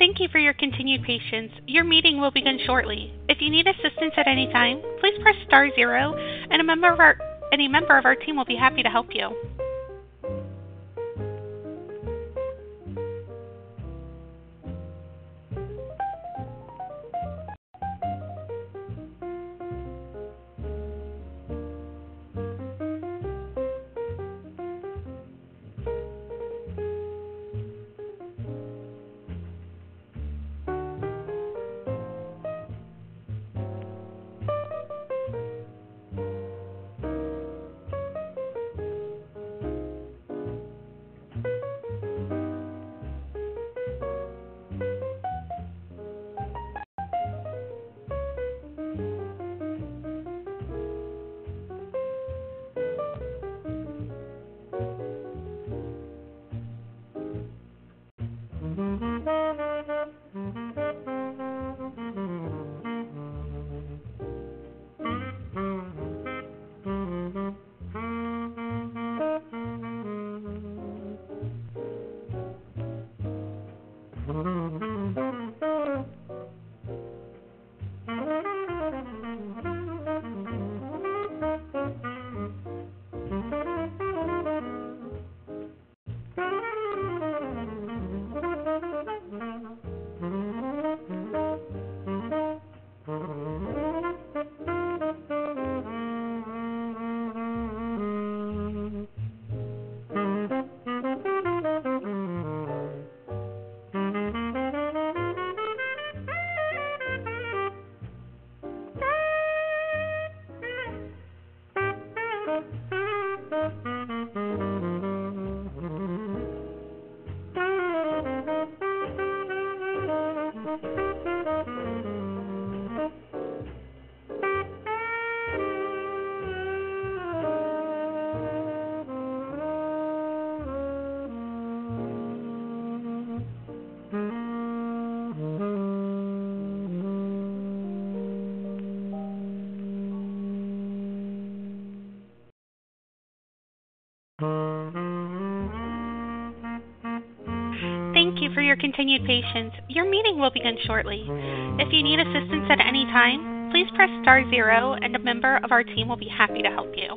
Thank you for your continued patience. Your meeting will begin shortly. If you need assistance at any time, please press star zero and a member of our team will be happy to help you. Thank you for your continued patience. Your meeting will begin shortly. If you need assistance at any time, please press star zero and a member of our team will be happy to help you.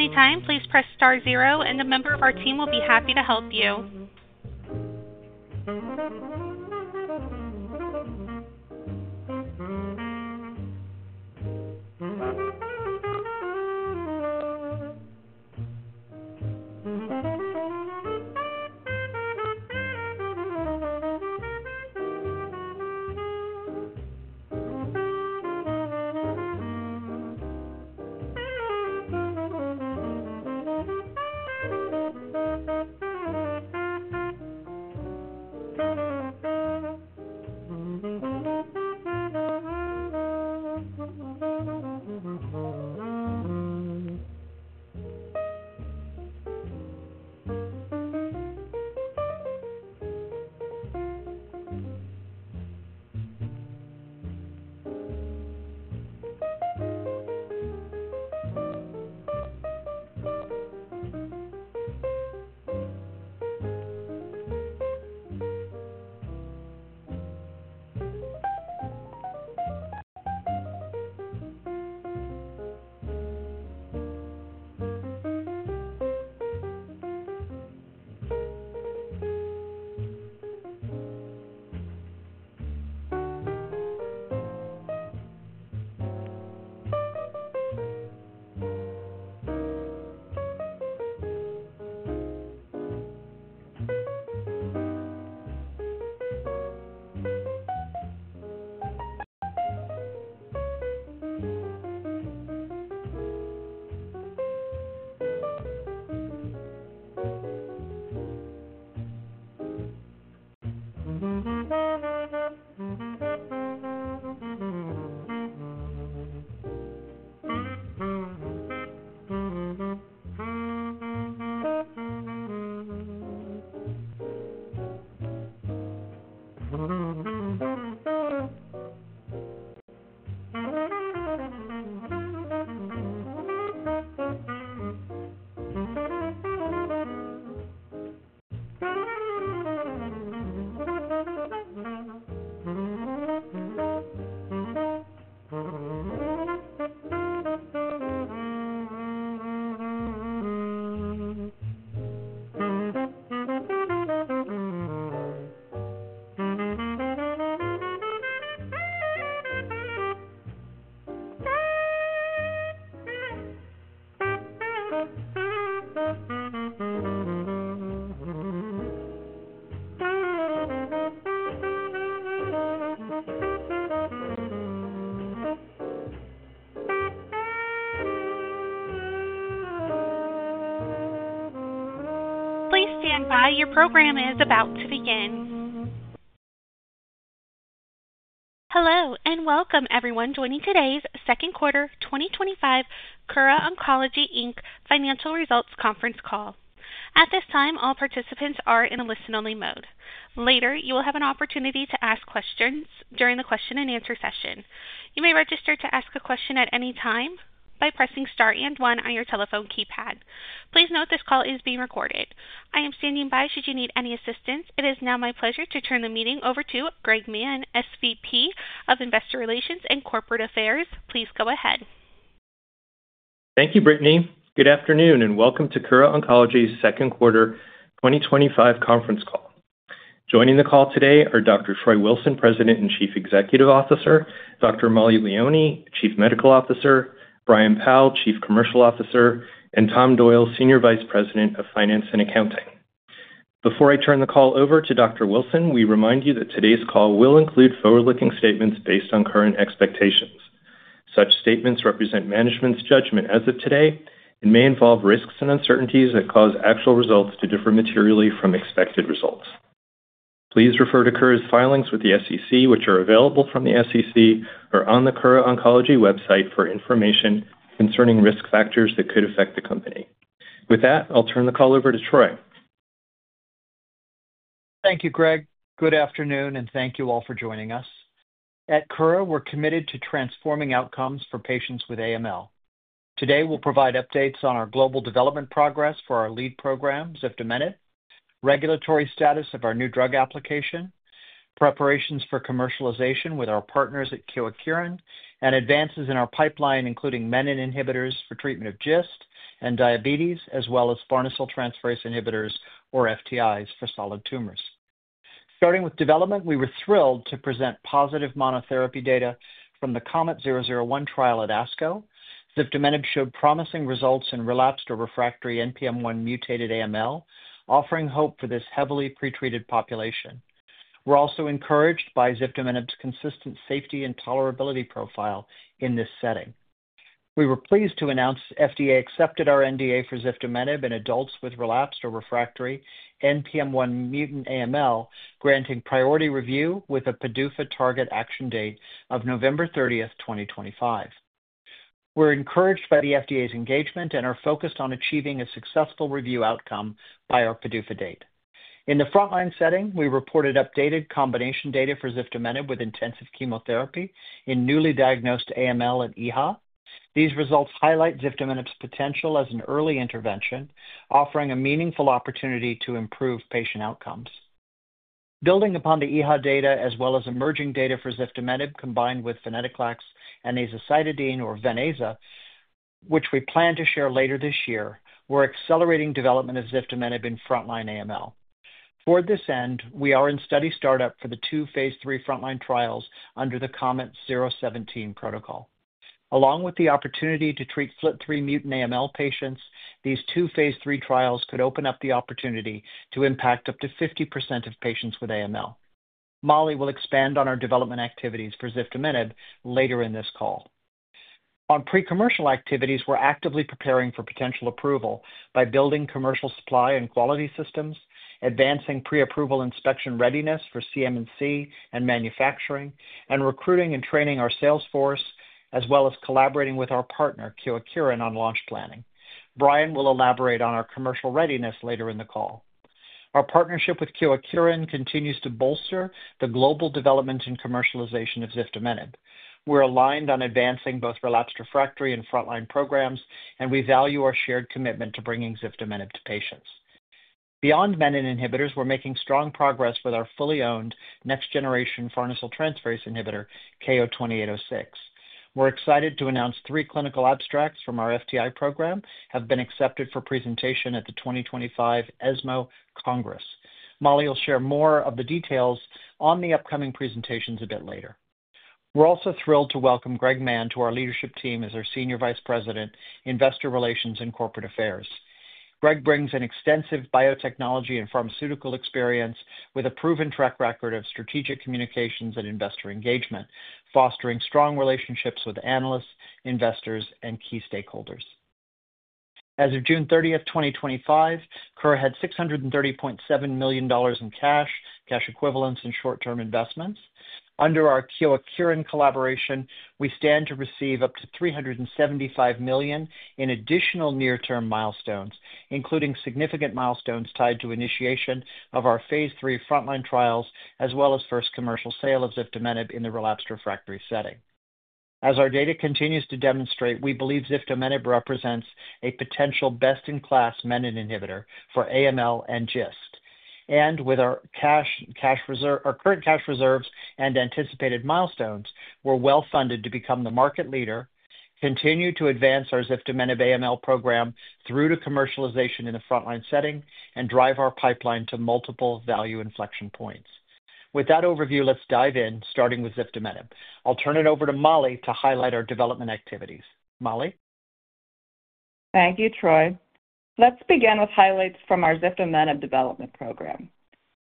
Thank you for your continued patience. Your meeting will begin shortly. If you need assistance at any time, please press star zero and a member of our team will be happy to help you. Please stand by. Your program is about to begin. Hello and welcome everyone. Joining today's second quarter 2025 Kura Oncology, Inc financial results conference call. At this time, all participants are in a listen only mode. Later, you will have an opportunity to ask questions during the question and answer session. You may register to ask a question at any time by pressing star and one on your telephone keypad. Please note this call is being recorded. I am standing by should you need any assistance. It is now my pleasure to turn the meeting over to Greg Mann, Senior Vice President of Investor Relations and Corporate Affairs. Please go ahead. Thank you. Good afternoon and welcome to Kura Oncology's second quarter 2025 conference call. Joining the call today are Dr. Troy Wilson, President and Chief Executive Officer, Dr. Mollie Leoni, Chief Medical Officer, Brian Powl, Chief Commercial Officer, and Tom Doyle, Senior Vice President of Finance and Accounting. Before I turn the call over to Dr. Wilson, we remind you that today's call will include forward-looking statements based on current expectations. Such statements represent management's judgment as of today and may involve risks and uncertainties that cause actual results to differ materially from expected results. Please refer to Kura's filings with the SEC, which are available from the SEC or on the Kura Oncology website for information concerning risk factors that could affect the company. With that, I'll turn the call over to Troy. Thank you, Greg. Good afternoon, and thank you all for joining us. At Kura, we're committed to transforming outcomes for patients with AML. Today we'll provide updates on our global development progress for our lead program ziftomenib, regulatory status of our New Drug Application, preparations for commercialization with our partners at Kyowa Kirin, and advances in our pipeline, including menin inhibitors for treatment of GIST and diabetes, as well as farnesyltransferase inhibitors or FTIs for solid tumors. Starting with development, we were thrilled to present positive monotherapy data from the KOMET-001 trial at ASCO. Ziftomenib showed promising results in relapsed or refractory NPM1-mutated AML, offering hope for this heavily pretreated population. We're also encouraged by ziftomenib's consistent safety and tolerability profile. In this setting, we were pleased to announce FDA accepted our NDA for ziftomenib in adults with relapsed or refractory NPM1-mutant AML, granting priority review with a PDUFA target action date of November 30, 2025. We're encouraged by the FDA's engagement and are focused on achieving a successful review outcome by our PDUFA date. In the frontline setting, we reported updated combination data for ziftomenib with intensive chemotherapy in newly diagnosed AML at EHA. These results highlight ziftomenib's potential as an early intervention, offering a meaningful opportunity to improve patient outcomes. Building upon the EHA data as well as emerging data for ziftomenib combined with venetoclax and azacitidine, or VEN-AZA, which we plan to share later this year, we're accelerating development of ziftomenib in frontline AML. Toward this end, we are in study startup for the two phase III frontline trials under the KOMET-017 protocol, along with the opportunity to treat KMT2A-rearranged AML patients. These two phase III trials could open up the opportunity to impact up to 50% of patients with AML. Mollie will expand on our development activities for ziftomenib later in this call. On pre-commercial activities, we're actively preparing for potential approval by building commercial supply and quality systems, advancing pre-approval inspection readiness for CMC and manufacturing, and recruiting and training our sales force, as well as collaborating with our partner Kyowa Kirin on launch planning. Brian will elaborate on our commercial readiness later in the call. Our partnership with Kyowa Kirin continues to bolster the global development and commercialization of ziftomenib. We're aligned on advancing both relapsed/refractory and frontline programs, and we value our shared commitment to bringing ziftomenib to patients. Beyond menin inhibitors, we're making strong progress with our fully owned next-generation farnesyltransferase inhibitor KO-2806. We're excited to announce three clinical abstracts from our FTI program have been accepted for presentation at the 2025 ESMO Congress. Mollie will share more of the details on the upcoming presentations a bit later. We're also thrilled to welcome Greg Mann to our leadership team as our Senior Vice President, Investor Relations and Corporate Affairs. Greg brings an extensive biotechnology and pharmaceutical experience with a proven track record of strategic communications and investor engagement, fostering strong relationships with analysts, investors, and key stakeholders. As of June 30, 2025, Kura had $630.7 million in cash, cash equivalents, and short-term investments. Under our Kyowa Kirin collaboration, we stand to receive up to $375 million in additional near-term milestones, including significant milestones tied to initiation of our phase III frontline trials as well as first commercial sale of ziftomenib in the relapsed/refractory setting. As our data continues to demonstrate, we believe ziftomenib represents a potential best-in-class menin inhibitor for AML and GIST, and with our current cash reserves and anticipated milestones, we're well funded to become the market leader, continue to advance our ziftomenib AML program through to commercialization in a frontline setting, and drive our pipeline to multiple value inflection points. With that overview, let's dive in. Starting with ziftomenib. I'll turn it over to Mollie to highlight our development activities. Mollie. Thank you, Troy. Let's begin with highlights from our ziftomenib development program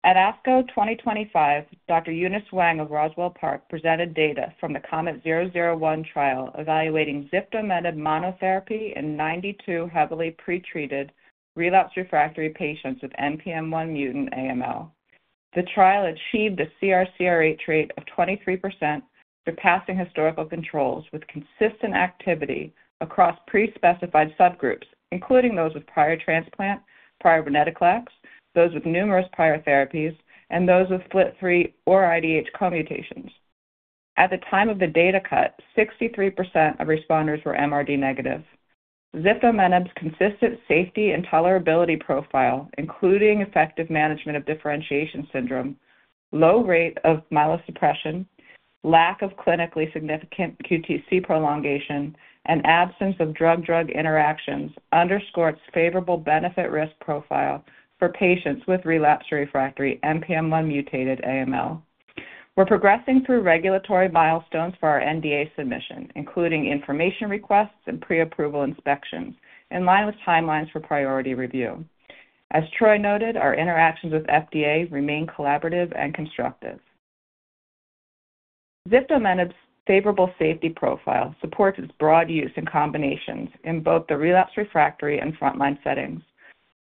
at ASCO 2025. Dr. Eunice Wang of Roswell Park presented data from the KOMET-001 trial evaluating ziftomenib monotherapy in 92 heavily pretreated relapsed/refractory patients with NPM1-mutated AML. The trial achieved the CR/CRh rate of 23%, surpassing historical controls with consistent activity across prespecified subgroups, including those with prior transplant, prior venetoclax, those with numerous prior therapies, and those with FLT3 or IDH mutations. At the time of the data cut, 63% of responders were MRD negative. Ziftomenib's consistent safety and tolerability profile, including effective management of differentiation syndrome, low rate of myelosuppression, lack of clinically significant QTc prolongation, and absence of drug-drug interactions, underscore its favorable benefit-risk profile for patients with relapsed/refractory NPM1-mutated AML. We're progressing through regulatory milestones for our NDA submission, including information requests and pre-approval inspections in line with timelines for priority review. As Troy noted, our interactions with FDA remain collaborative and constructive. Ziftomenib's favorable safety profile supports its broad use in combinations in both the relapsed/refractory and frontline settings.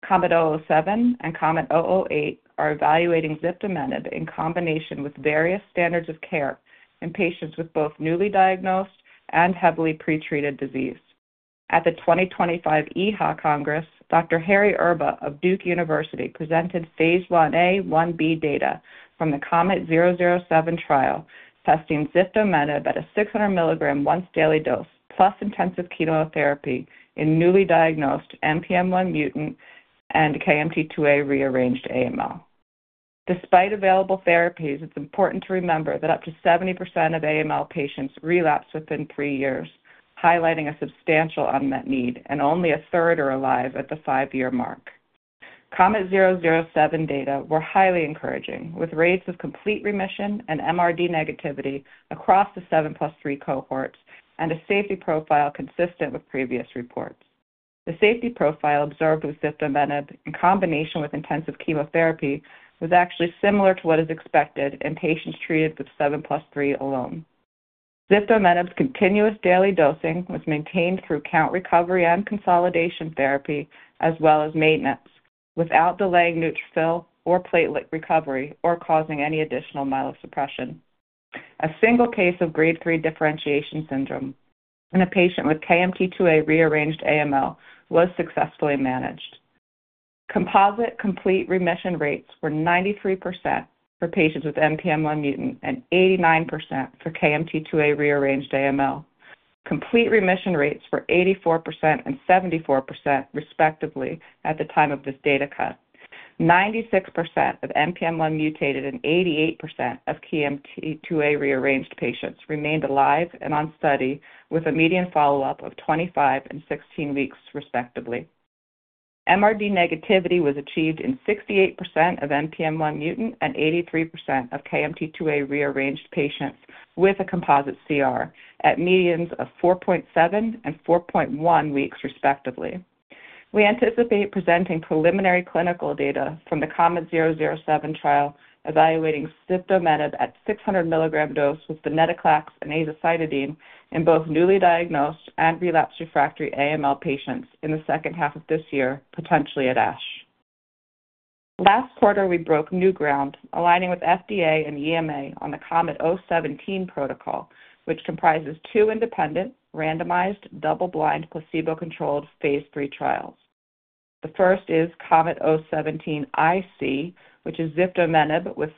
KOMET-007 and KOMET-008 are evaluating ziftomenib in combination with various standards of care in patients with both newly diagnosed and heavily pretreated disease. At the 2025 EHA Congress, Dr. Harry Erba of Duke University presented phase I-A/I-B data from the KOMET-007 trial, testing ziftomenib at a 600 milligram once daily dose plus intensive chemotherapy in newly diagnosed NPM1-mutated and KMT2A-rearranged AML. Despite available therapies, it's important to remember that up to 70% of AML patients relapse within three years, highlighting a substantial unmet need, and only a third are alive at the five-year mark. KOMET-007 data were highly encouraging, with rates of complete remission and MRD negativity across the 7+3 cohorts and a safety profile consistent with previous reports. The safety profile observed with ziftomenib in combination with intensive chemotherapy was actually similar to what is expected in patients treated with 7+3 alone. Ziftomenib's continuous daily dosing was maintained through count recovery and consolidation therapy as well as maintenance without delaying neutrophil or platelet recovery or causing any additional myelosuppression. A single case of grade 3 differentiation syndrome in a patient with KMT2A-rearranged AML was successfully managed. Composite complete remission rates were 93% for patients with NPM1-mutated and 89% for KMT2A-rearranged AML. Complete remission rates were 84% and 74%, respectively. At the time of this data cut, 96% of NPM1-mutated and 88% of KMT2A-rearranged patients remained alive and on study with a median follow-up of 25 and 16 weeks, respectively. MRD negativity was achieved in 68% of NPM1-mutated and 83% of KMT2A-rearranged patients with a composite CR at medians of 4.7 and 4.1 weeks, respectively. We anticipate presenting preliminary clinical data from the KOMET-007 trial evaluating ziftomenib at 600 milligram dose with venetoclax and azacitidine in both newly diagnosed and relapsed/refractory AML patients in the second half of this year, potentially at ASH. Last quarter we broke new ground aligning with FDA and EMA on the KOMET-017 protocol, which comprises two independent randomized double-blind placebo-controlled phase III trials. The first is KOMET-017 IC, which is ziftomenib with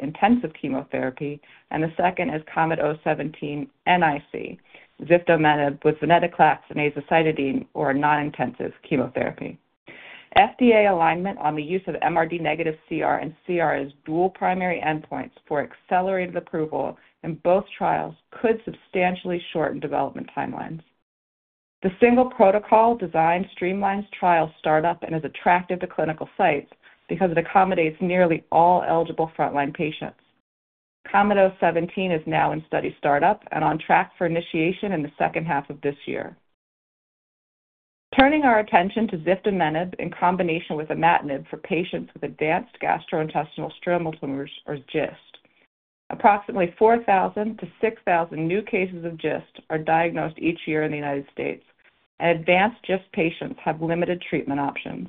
intensive chemotherapy, and the second is KOMET-017 NIC, ziftomenib with venetoclax and azacitidine or non-intensive chemotherapy. FDA alignment on the use of MRD-negative CR and CR as dual primary endpoints for accelerated approval in both trials could substantially shorten development timelines. The single protocol design streamlines trial startup and is attractive to clinical sites because it accommodates nearly all eligible frontline patients. KOMET-017 is now in study startup and on track for initiation in the second half of this year. Turning our attention to ziftomenib in combination with imatinib for patients with advanced gastrointestinal stromal tumors or GIST, approximately 4,000 to 6,000 new cases of GIST are diagnosed each year in the United States, and advanced GIST patients have limited treatment options.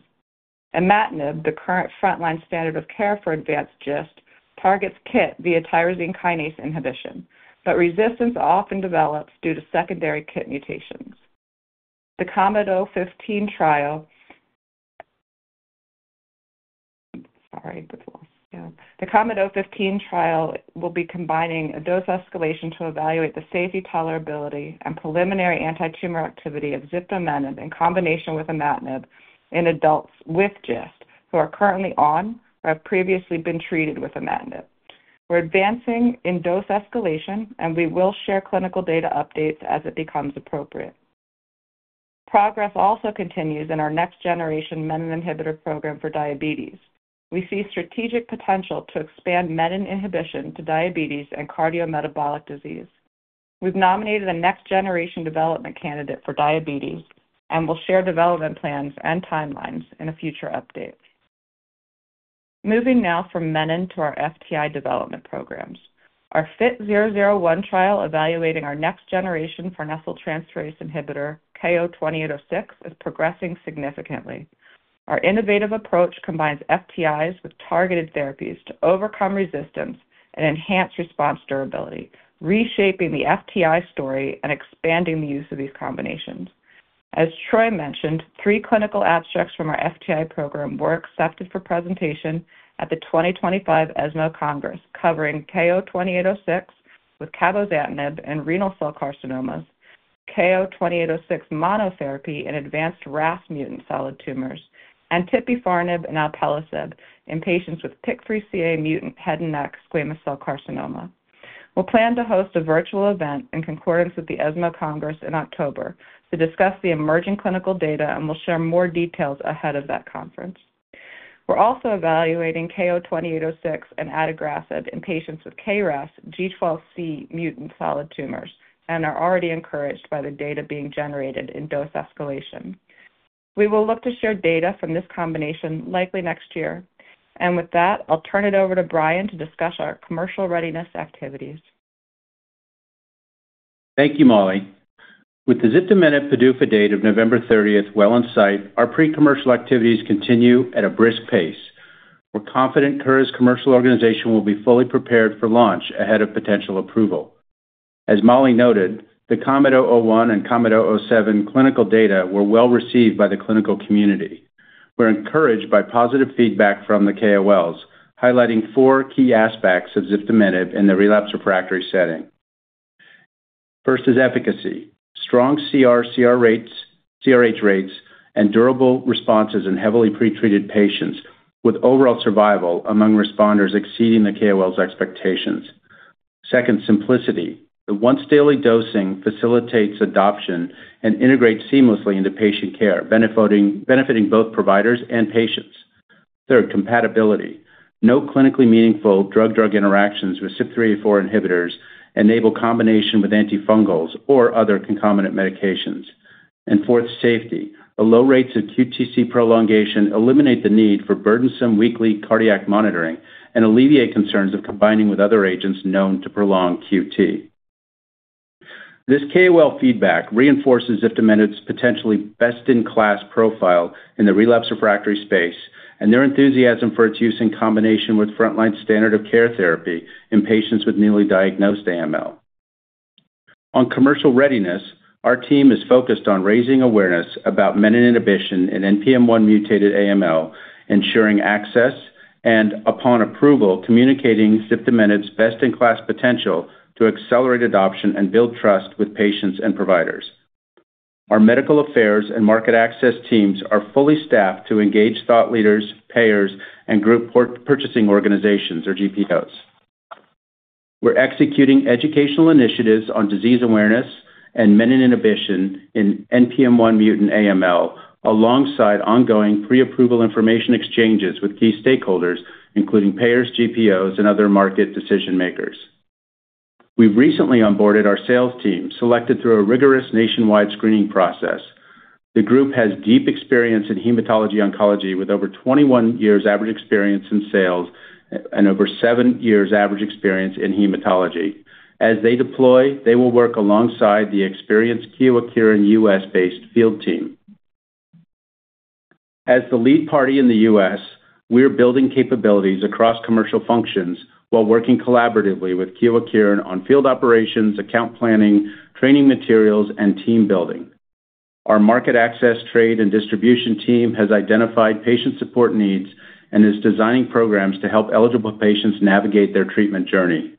Imatinib, the current frontline standard of care for advanced GIST, targets KIT via tyrosine kinase inhibition, but resistance often develops due to secondary KIT mutations. The KOMET-015 trial will be combining a dose escalation to evaluate the safety, tolerability, and preliminary anti-tumor activity of ziftomenib in combination with imatinib in adults with GIST who are currently on or have previously been treated with imatinib. We're advancing in dose escalation and we will share clinical data updates as it becomes appropriate. Progress also continues in our next-generation menin inhibitor program for diabetes. We see strategic potential to expand menin inhibition to diabetes and cardiometabolic disease. We've nominated a next-generation development candidate for diabetes and will share development plans and timelines in a future update. Moving now from menin to our FTI development programs, our FIT-001 trial evaluating our next-generation farnesyltransferase inhibitor KO-2806 is progressing significantly. Our innovative approach combines FTIs with targeted therapies to overcome resistance and enhance response durability, reshaping the FTI story and expanding the use of these combinations. As Troy mentioned, three clinical abstracts from our FTI program were accepted for presentation at the 2025 ESMO Congress covering KO-2806 with cabozantinib in renal cell carcinomas, KO-2806 monotherapy in advanced RAS mutant solid tumors, and tipifarnib and alpelisib in patients with PIK3CA mutant head and neck squamous cell carcinoma. We'll plan to host a virtual event in concordance with the ESMO Congress in October to discuss the emerging clinical data and we'll share more details ahead of that conference. We're also evaluating KO-2806 and adagrasib in patients with KRAS G12C mutant solid tumors and are already encouraged by the data being generated in dose escalation. We will look to share data from this combination likely next year, and with that I'll turn it over to Brian to discuss our commercial readiness activities. Thank you, Mollie. With the ziftomenib PDUFA date of November 30th well in sight, our pre-commercial activities continue at a brisk pace. We're confident Kura's commercial organization will be fully prepared for launch ahead of potential approval. As Mollie noted, the KOMET-001 and KOMET-007 clinical data were well received by the clinical community. We're encouraged by positive feedback from the KOLs highlighting four key aspects of ziftomenib in the relapsed/refractory setting. First is efficacy: strong CR rates, CRh rates, and durable responses in heavily pretreated patients, with overall survival among responders exceeding the KOLs' expectations. Second, simplicity. The once-daily dosing facilitates adoption and integrates seamlessly into patient care, benefiting both providers and patients. Third, compatibility. No clinically meaningful drug-drug interactions with CYP3A4 inhibitors enable combination with antifungals or other concomitant medications. Fourth, safety. The low rates of QTc prolongation eliminate the need for burdensome weekly cardiac monitoring and alleviate concerns of combining with other agents known to prolong QT. This KOL feedback reinforces ziftomenib's potentially best-in-class profile in the relapsed/refractory space and their enthusiasm for its use in combination with frontline standard of care therapy in patients with newly diagnosed AML. On commercial readiness, our team is focused on raising awareness about menin inhibition in NPM1-mutated AML, ensuring access, and upon approval, communicating ziftomenib's best-in-class potential to accelerate adoption and build trust with patients and providers. Our Medical Affairs and Market Access teams are fully staffed to engage thought leaders, payers, and group purchasing organizations, or GPOs. We're executing educational initiatives on disease awareness and menin inhibition in NPM1-mutant AML alongside ongoing pre-approval information exchanges with key stakeholders, including payers, GPOs, and other market decision makers. We've recently onboarded our sales team, selected through a rigorous nationwide screening process. The group has deep experience in hematology/oncology, with over 21 years average experience in sales and over 7 years average experience in hematology. As they deploy, they will work alongside the experienced Kyowa Kirin U.S.-based field team as the lead party. In the U.S. we are building capabilities across commercial functions while working collaboratively with Kyowa Kirin on field operations, account planning, training materials, and team building. Our market access, trade, and distribution team has identified patient support needs and is designing programs to help eligible patients navigate their treatment journey.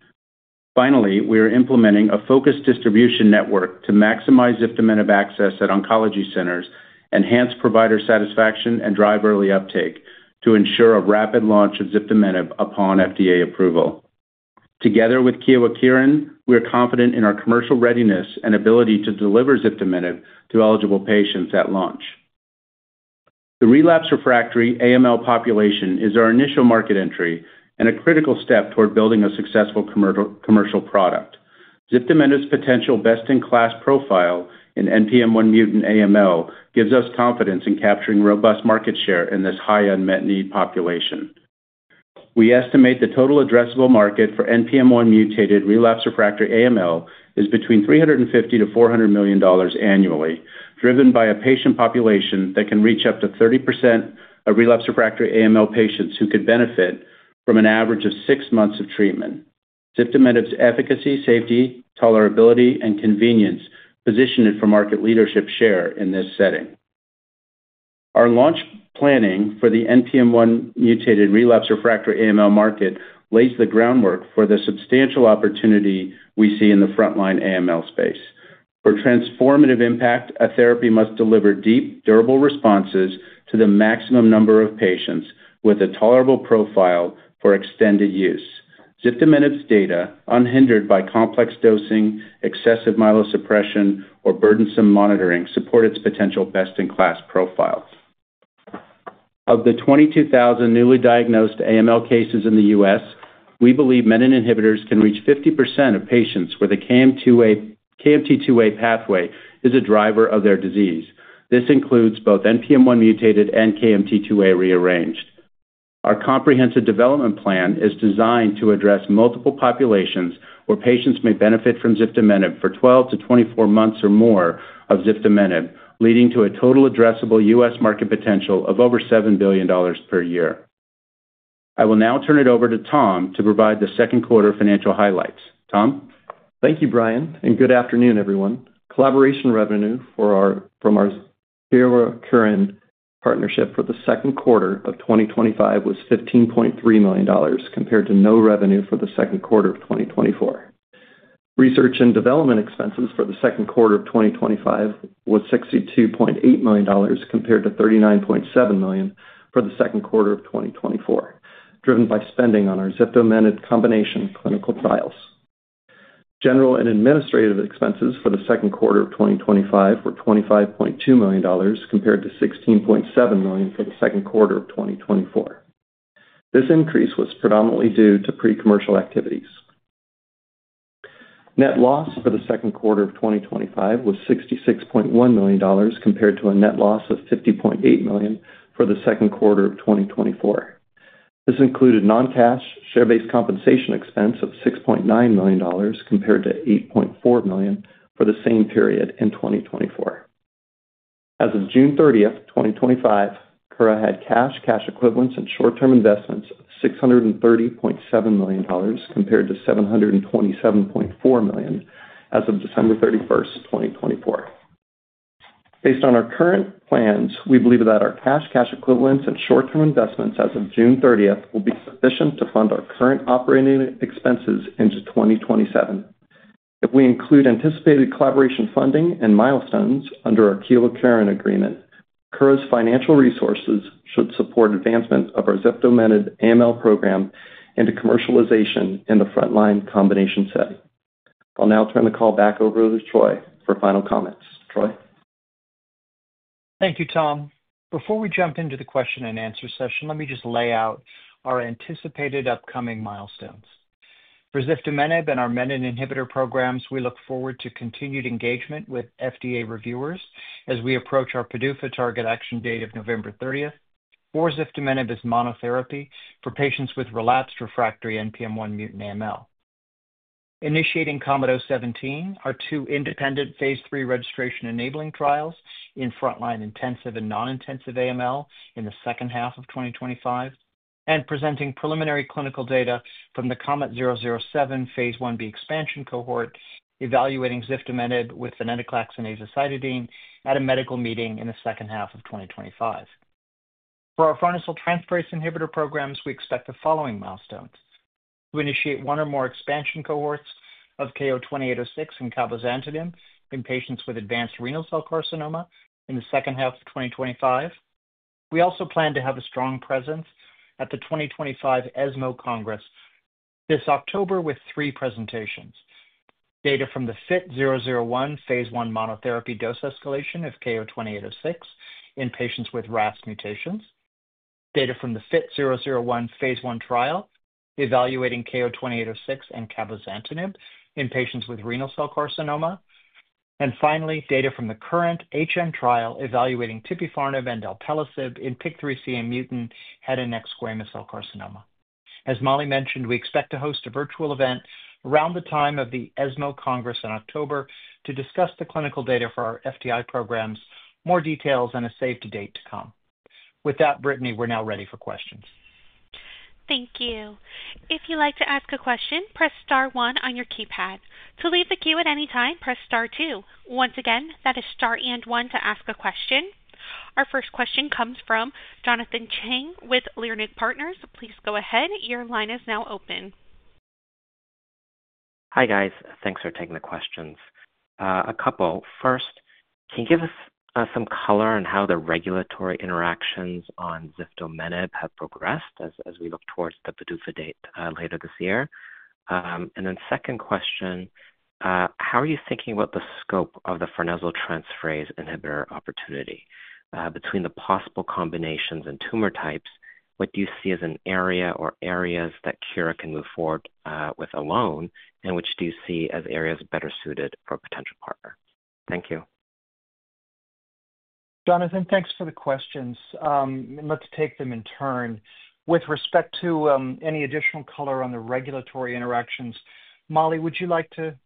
Finally, we are implementing a focused distribution network to maximize efficient access at oncology centers and enhance provider satisfaction and drive early uptake to ensure a rapid launch of ziftomenib upon FDA approval. Together with Kyowa Kirin, we are confident in our commercial readiness and ability to deliver ziftomenib to eligible patients at launch. The relapsed/refractory AML population is our initial market entry and a critical step toward building a successful commercial product. Ziftomenib's potential best-in-class profile in NPM1-mutated AML gives us confidence in capturing robust market share in this high unmet need population. We estimate the total addressable market for NPM1-mutated relapsed/refractory AML is between $350 million to $400 million annually, driven by a patient population that can reach up to 30% of relapsed/refractory AML patients who could benefit from an average of 6 months of treatment. Ziftomenib's efficacy, safety, tolerability, and convenience position it for market leadership share in this setting. Our launch planning for the NPM1-mutated relapsed/refractory AML market lays the groundwork for the substantial opportunity we see in the frontline AML space for transformative impact. A therapy must deliver deep, durable responses to the maximum number of patients with a tolerable profile for extended use. Ziftomenib's data, unhindered by complex dosing, excessive myelosuppression, or burdensome monitoring, support its potential best-in-class profile. Of the 22,000 newly diagnosed AML cases in the U.S., we believe menin inhibitors can reach 50% of patients where the KMT2A pathway is a driver of their disease. This includes both NPM1-mutated and KMT2A-rearranged. Our comprehensive development plan is designed to address multiple populations where patients may benefit from ziftomenib for 12 to 24 months or more, leading to a total addressable U.S. market potential of over $7 billion per year. I will now turn it over to Tom to provide the second quarter financial highlights. Tom Thank you, Brian, and good afternoon, everyone. Collaboration revenue from our Kyowa Kirin partnership for the second quarter of 2025 was $15.3 million compared to no revenue for the second quarter of 2024. Research and development expenses for the second quarter of 2025 were $62.8 million compared to $39.7 million for the second quarter of 2024, driven by spending on our ziftomenib combination clinical trials. General and administrative expenses for the second quarter of 2025 were $25.2 million compared to $16.7 million for the second quarter of 2024. This increase was predominantly due to pre-commercial activities. Net loss for the second quarter of 2025 was $66.1 million compared to a net loss of $50.8 million for the second quarter of 2024. This included non-cash share-based compensation expense of $6.9 million compared to $8.4 million for the same period in 2024. As of June 30, 2025, Kura Oncology had cash, cash equivalents, and short-term investments of $630.7 million compared to $727.4 million as of December 31, 2024. Based on our current plans, we believe that our cash, cash equivalents, and short-term investments as of June 30th will be sufficient to fund our current operating expenses into 2027. If we include anticipated collaboration funding and milestones under our Kyowa Kirin agreement, Kura's financial resources should support advancement of our ziftomenib AML program into commercialization in the frontline combination setting. I'll now turn the call back over to Troy for final comments. Troy. Thank you, Tom. Before we jump into the question and answer session, let me just lay out our anticipated upcoming milestones for ziftomenib in our menin inhibitor programs. We look forward to continued engagement with FDA reviewers as we approach our PDUFA target action date of November 30 for ziftomenib as monotherapy for patients with relapsed/refractory NPM1-mutated AML, initiating KOMET-017, our two independent phase III registration-enabling trials in frontline intensive and non-intensive AML in the second half of 2025, and presenting preliminary clinical data from the KOMET-007 phase I-B expansion cohort evaluating ziftomenib with venetoclax and azacitidine at a medical meeting in the second half of 2025. For our farnesyltransferase inhibitor programs, we expect the following milestones. We initiate one or more expansion cohorts of KO-2806 and cabozantinib in patients with advanced renal cell carcinoma in the second half of 2025. We also plan to have a strong presence at the 2025 ESMO Congress this October with three presentations: data from the FIT-001 phase I monotherapy dose escalation of KO-2806 in patients with RAS mutations, data from the FIT-001 phase I trial evaluating KO-2806 and cabozantinib in patients with renal cell carcinoma, and finally, data from the current HN trial evaluating tipifarnib and alpelisib in PIK3CA-mutant head and neck squamous cell carcinoma. As Mollie mentioned, we expect to host a virtual event around the time of the ESMO Congress in October to discuss the clinical data for our FTI programs. More details and a save-the-date to come with that. Brittany, we're now ready for questions. Thank you. If you'd like to ask a question, press star one on your keypad. To leave the queue at any time, press star two. Once again, that is star and one to ask a question. Our first question comes from Jonathan Chang with Leerink Partners. Please go ahead. Your line is now open. Hi guys. Thanks for taking the questions. First, can you give us some color on how the regulatory interactions on ziftomenib have progressed as we look towards the PDUFA date later this year? Second question, how are you thinking about the scope of the farnesyltransferase inhibitor opportunity between the possible combinations and tumor types? What do you see as an area or areas that Kura can move forward with alone, and which do you see as areas better suited for a potential partner? Thank you. Jonathan. Thanks for the questions. Let's take them in turn. With respect to any additional color on the regulatory interactions, Mollie, would you like to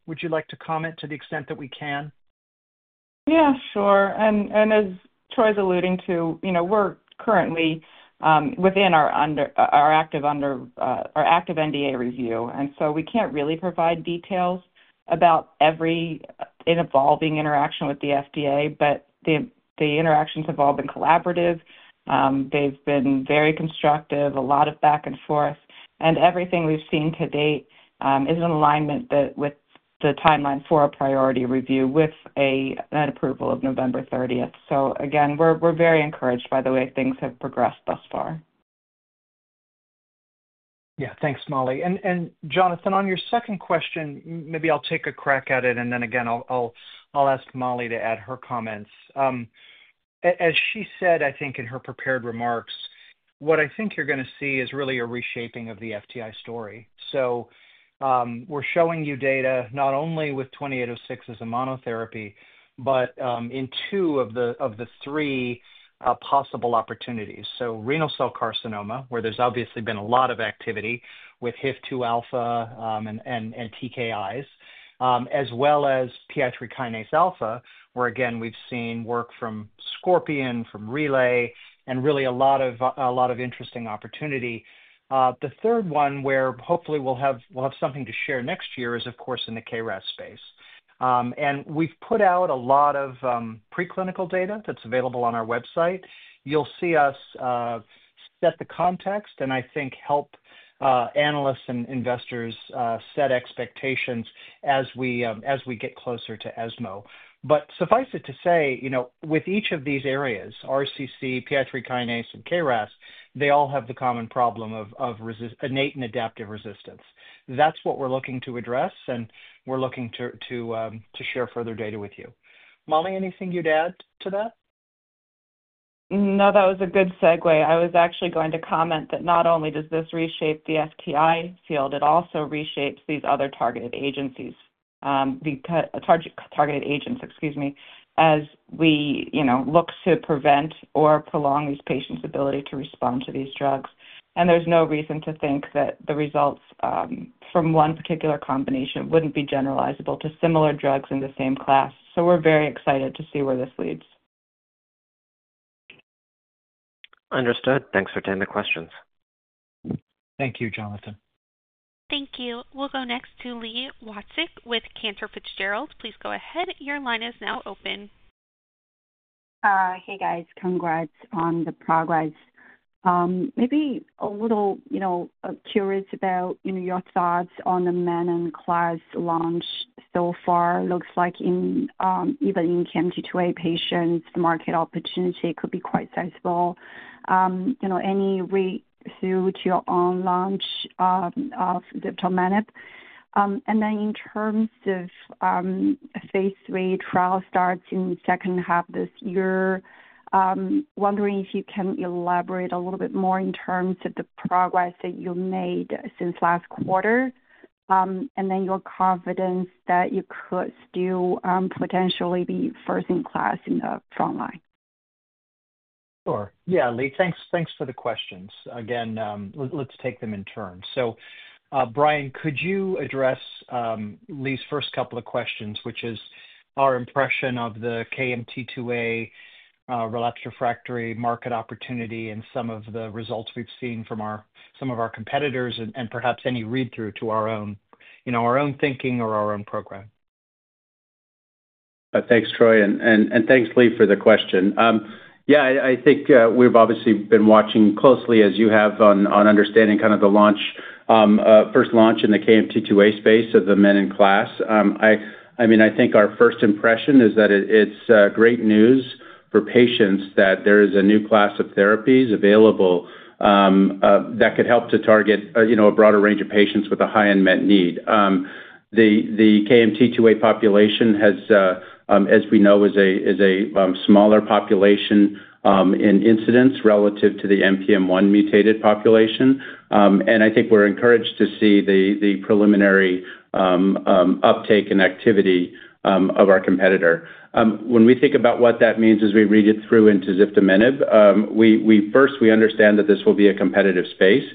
comment to the extent that we can. Yeah, sure. As Troy's alluding to, we're currently under our active NDA review, and we can't really provide detail about every evolving interaction with the FDA. The interactions have all been collaborative, they've been very constructive, a lot of back and forth, and everything we've seen to date is in alignment with the timeline for a priority review with a net approval of November 30th. We're very encouraged by the way things have progressed thus far. Yeah, thanks, Mollie. Jonathan, on your second question, maybe I'll take a crack at it. Then again I'll ask Mollie to add her comments. As she said, I think in her prepared remarks, what I think you're going to see is really a reshaping of the FTI story. We're showing you data not only with KO-2806 as a monotherapy, but in two of the three possible opportunities. Renal cell carcinoma, where there's obviously been a lot of activity with HIF2a and TKIs, as well as PI3Ka, where again we've seen work from Scorpion, from Relay, and really a lot of interesting opportunity. The third one, where hopefully we'll have something to share next year, is of course in the KRAS space. We've put out a lot of preclinical data that's available on our website. You'll see us set the context and I think help analysts and investors set expectations as we get closer to ESMO. Suffice it to say, with each of these areas, RCC, PI3K and KRAS, they all have the common problem of innate and adaptive resistance. That's what we're looking to address and we're looking to share further data with you. Mollie, anything you'd add to that? No, that was a good segue. I was actually going to comment that not only does this reshape the FTI field, it also reshapes these other targeted agents. As we look to prevent or prolong these patients' ability to respond to these drugs, there's no reason to think that the results from one particular combination wouldn't be generalizable to similar drugs in the same class. We're very excited to see where this leads. Understood. Thanks for taking the questions. Thank you, Jonathan. Thank you. We'll go next to Li Watsek with Cantor Fitzgerald, please. Go ahead. Your line is now open. Hey guys. Congrats on the progress. Maybe a little curious about your thoughts on the menin class launch so far. Looks like even in KMT2A patients, the market opportunity could be quite sizable. Any rate through to your own launch of ziftomenib and then in terms of phase III trial starts in the second half this year. Wondering if you can elaborate a little bit more in terms of the progress that you made since last quarter and then your confidence that you could still potentially be first in class in the frontline. Yeah, Li, thanks. Thanks for the questions again. Let's take them in turn. Brian, could you address Li's first couple of questions, which is our impression of the KMT2A-rearranged relapsed/refractory market opportunity and some of the results we've seen from some of our competitors and perhaps any read through to our own, you know, our own thinking or our own program. Thanks, Troy, and thanks, Li, for the question. Yeah, I think we've obviously been watching closely, as you have, on understanding the first launch in the KMT2A space of the menin class. I think our first impression is that it's great news for patients that there is a new class of therapies available that could help to target a broader range of patients with a high unmet need. The KMT2A population, as we know, is a smaller population in incidence relative to the NPM1-mutated population. I think we're encouraged to see the preliminary uptake in activity of our competitor. When we think about what that means as we read it through into ziftomenib, first, we understand that this will be a competitive space.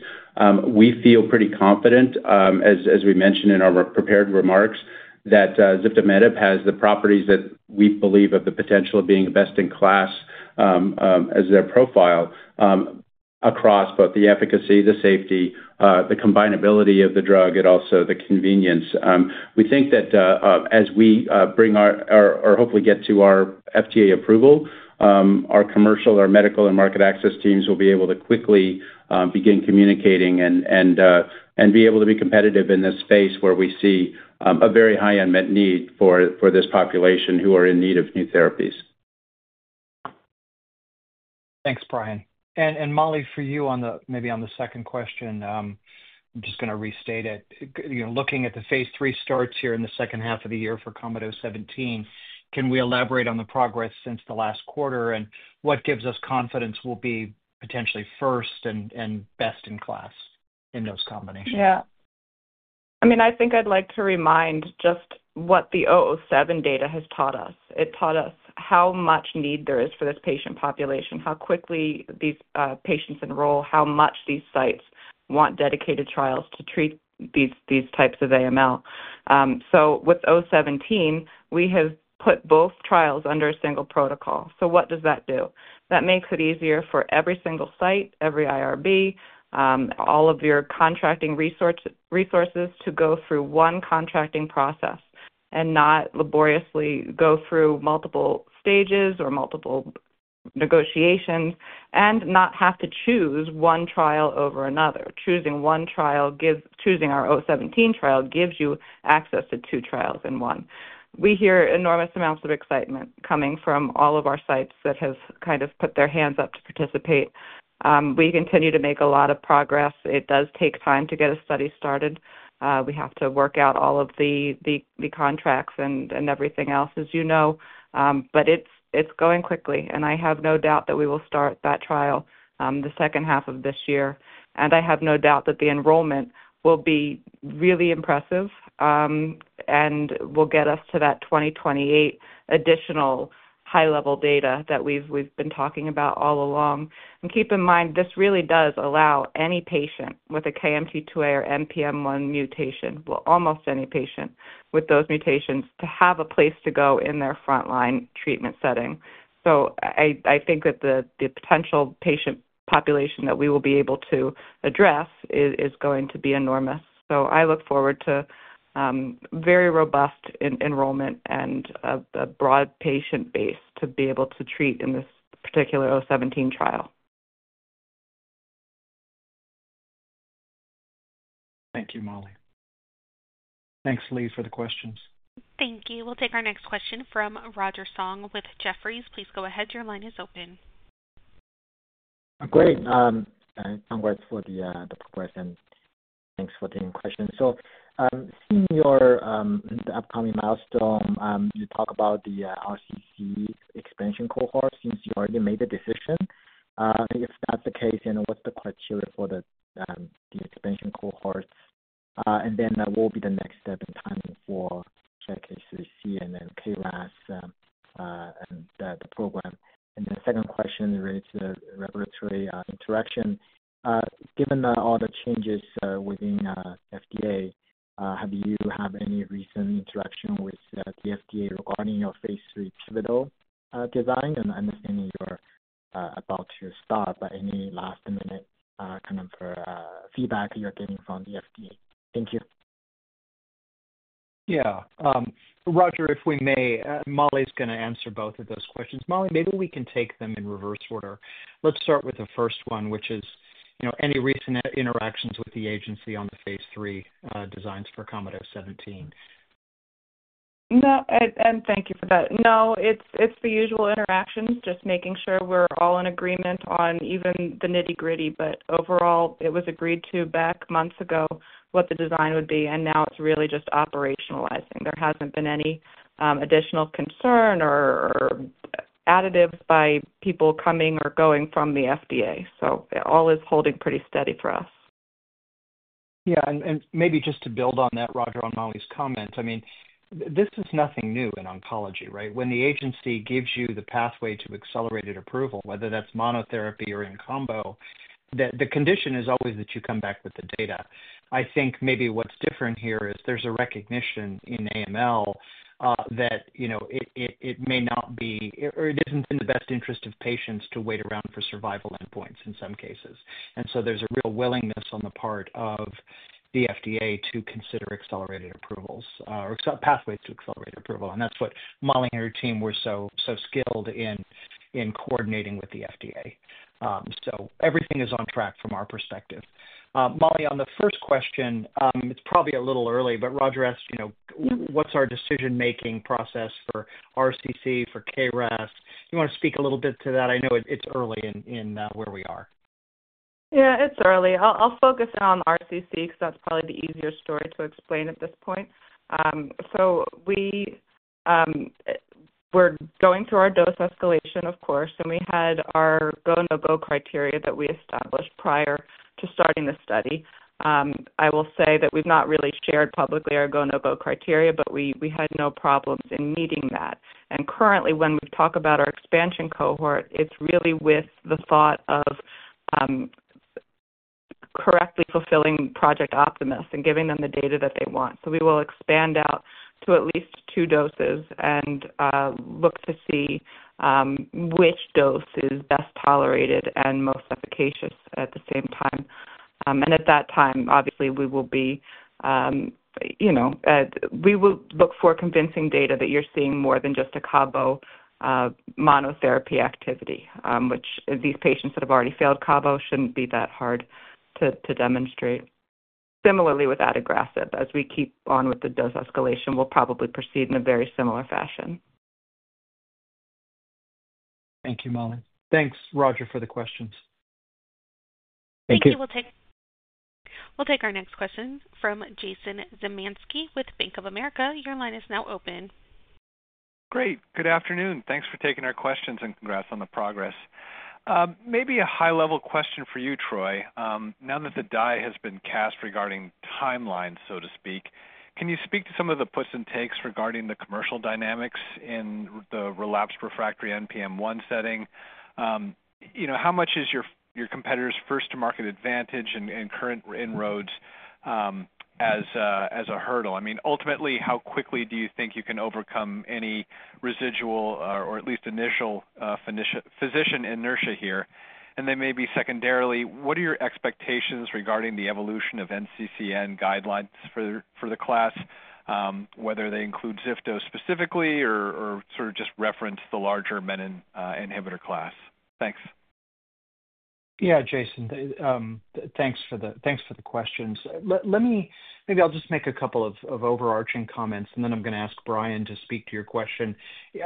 We feel pretty confident, as we mentioned in our prepared remarks, that ziftomenib has the properties that we believe have the potential of being best in class as their profile across both the efficacy, the safety, the combinability of the drug and also the convenience. We think that as we bring our, or hopefully get to our FDA approval, our commercial, our medical and market access teams will be able to quickly begin communicating and be able to be competitive in this space where we see a very high unmet need for this population who are in need of new therapies. Thanks, Brian and Mollie, for you, maybe on the second question, I'm just going to restate it. Looking at the phase III starts here in the second half of the year for KOMET-017. Can we elaborate on the progress since the last quarter and what gives us confidence we will be potentially first and best in class in those combinations? Yeah, I mean, I think I'd like to remind just what the 007 data has taught us. It taught us how much need there is for this patient population, how quickly these patients enroll, how much these sites want dedicated trials to treat these types of AML. With KOMET-017, we have put both trials under a single protocol. What does that do? That makes it easier for every single site, every IRB, all of your contracting resources to go through one contracting process and not laboriously go through multiple stages or multiple negotiations and not have to choose one trial over another. Choosing one trial gives. Choosing our KOMET-017 trial gives you access to two trials in one. We hear enormous amounts of excitement coming from all of our sites that have kind of put their hands up to participate. We continue to make a lot of progress. It does take time to get a study started. We have to work out all of the contracts and everything else, as you know. It's going quickly. I have no doubt that we will start that trial the second half of this year and I have no doubt that the enrollment will be really impressive and will get us to that 2028 additional high level data that we've been talking about all along. Keep in mind, this really does allow any patient with a KMT2A or NPM1 mutation, well, almost any patient with those mutations, to have a place to go in their frontline treatment setting. I think that the potential patient population that we will be able to address is going to be enormous. I look forward to very robust enrollment and a broad patient base to be able to treat in this particular KOMET-017 trial. Thank you, Mollie. Thanks, Li, for the questions. Thank you. We'll take our next question from Roger Song with Jefferies. Please go ahead. Your line is open. Great. Thank you for the progress and thanks for taking questions. Seeing your upcoming milestone, you talk about the RCC expansion cohort. Since you already made a decision, if that's the case, what's the criteria for the expansion cohort, and then what will be the next step in time for SEC, HCC, and then KRAS and the program? The second question relates to the regulatory interaction. Given all the changes within FDA, have you had any recent interaction with the FDA regarding your phase III CBD design and understanding? You're about to start, but any last minute kind of feedback you're getting from the FDA. Thank you. Roger, if we may, Mollie is going to answer both of those questions. Mollie, maybe we can take them in reverse order. Let's start with the first one, which is any recent interactions with the agency on the phase III designs for KOMET-017. Thank you for that. It's the usual interactions, just making sure we're all in agreement on even the nitty gritty. Overall, it was agreed to back months ago what the design would be, and now it's really just operationalizing. There hasn't been any additional concern or additives by people coming or going from the FDA. It all is holding pretty steady for us. Yeah. Maybe just to build on that, Roger, on Mollie's comment, this is nothing new in oncology, right? When the agency gives you the pathway to accelerated approval, whether that's monotherapy or in combo, the condition is always that you come back with the data. I think maybe what's different here is there's a recognition in AML that it may not be or it isn't in the best interest of patients to wait around for survival endpoints in some cases. There is a real willingness on the part of the FDA to consider accelerated approvals or pathways to accelerated approval. That's what Mollie and her team were so, so skilled in, in coordinating with the FDA. Everything is on track from our perspective. Mollie, on the first question, it's probably a little early, but Roger asked, you know, what's our decision making process for RCC for KRAS? You want to speak a little bit to that? I know it's early in where we are. Yeah, it's early. I'll focus on RCC because that's probably the easier story to explain at this point. We're going through our dose escalation, of course, and we had our go/no-go criteria that we established prior to starting the study. I'll say that we've not really shared publicly our go/no-go criteria, but we had no problems in meeting that. Currently, when we talk about our expansion cohort, it's really with the thought of correctly fulfilling Project Optimus and giving them the data that they want. We will expand out to at least two doses and look to see which dose is best tolerated and most efficacious at the same time. At that time, obviously, we will look for convincing data that you're seeing more than just a Cabo monotherapy activity, which these patients that have already failed Cabo shouldn't be that hard to demonstrate. Similarly, with Adagrasib, as we keep on with the dose escalation, we'll probably proceed in a very similar fashion. Thank you, Mollie. Thanks, Roger, for the questions. Thank you. We'll take our next question from Jason Zemansky with Bank of America. Your line is now open. Great. Good afternoon. Thanks for taking our questions and congrats on the progress. Maybe a high-level question for you, Troy, now that the die has been cast regarding timeline, so to speak, can. You speak to some of the puts. any takes regarding the commercial dynamics in the relapsed/refractory NPM1-mutated setting? You know, how much is your competitor's first-to-market advantage and current inroads? As a hurdle? I mean, ultimately, how quickly do you think you can overcome any residual or at least initial physician inertia here and then maybe secondarily, what are your expectations regarding the evolution of NCCN guidelines for the class, whether they include ziftomenib specifically or sort of just reference the larger menin inhibitor class. Thanks. Yeah, Jason, thanks for the questions. Let me maybe just make a couple of overarching comments and then I'm going to ask Brian to speak to your question.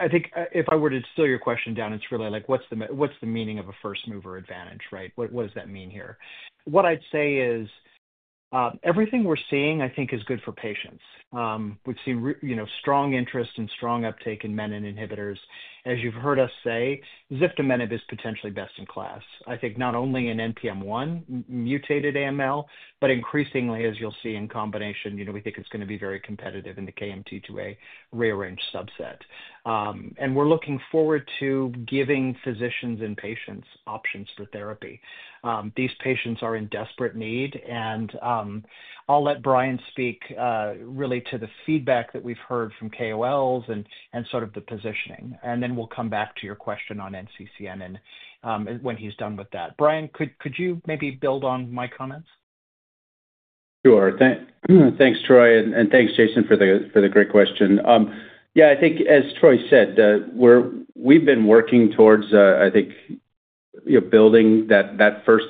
I think if I were to distill your question down, it's really like what's the meaning of a first mover advantage, right? What does that mean here? What I'd say is everything we're seeing I think is good for patients. We've seen strong interest and strong uptake in menin inhibitors, as you've heard us say. Ziftomenib is potentially best in class, I think not only in NPM1-mutated AML, but increasingly, as you'll see in combination. We think it's going to be very competitive in the KMT2A-rearranged subset and we're looking forward to giving physicians and patients options for therapy. These patients are in desperate need. I'll let Brian speak really to the feedback that we've heard from KOLs and sort of the positioning and then we'll come back to your question on NCCN and when he's done with that, Brian, could you maybe build on my comments? Sure. Thanks, Troy. Thanks, Jason, for the great question. I think as Troy said, we've been working towards building that first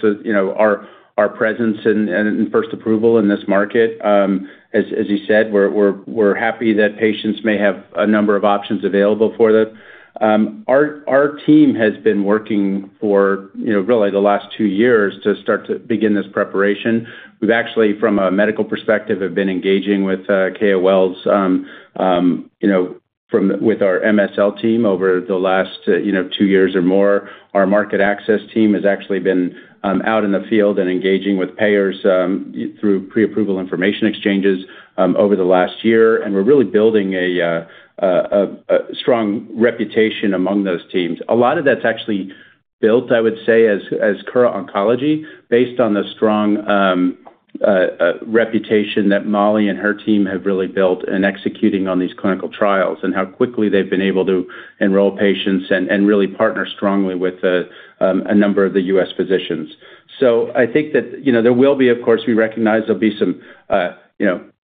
presence and first approval in this market. As you said, we're happy that patients may have a number of options available for them. Our team has been working for the last two years to begin this preparation. We've actually, from a medical perspective, been engaging with KOLs with our MSL team over the last two years or more. Our market access team has been out in the field and engaging with payers through pre-approval information exchanges over the last year, and we're really building a strong reputation among those teams. A lot of that's actually built, I would say, at Kura Oncology based on the strong reputation that Mollie and her team have built in executing on these clinical trials and how quickly they've been able to enroll patients and really partner strongly with a number of the U.S. physicians. I think that there will be, of course, we recognize there will be some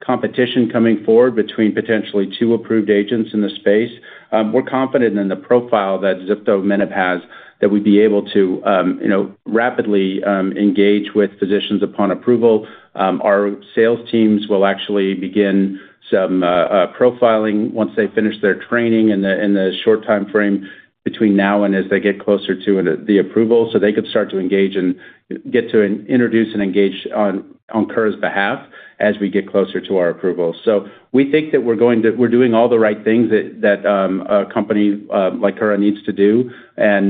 competition coming forward between potentially two approved agents in the space. We're confident in the profile that ziftomenib has, that we'd be able to rapidly engage with physicians upon approval. Our sales teams will begin some profiling once they finish their training in the short time frame between now and as they get closer to the approval, so they could start to introduce and engage on Kura's behalf as we get closer to our approval. We think that we're doing all the right things that a company like Kura needs to do.